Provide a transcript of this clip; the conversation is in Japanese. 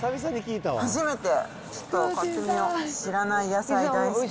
初めて、ちょっと買ってみよう、知らない野菜大好き。